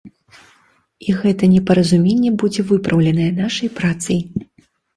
І гэта непаразуменне будзе выпраўленае нашай працай.